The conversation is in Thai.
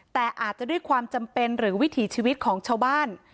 แต่อาจจะด้วยความจำเป็นหรือวิถีชีวิตของชาวบ้าน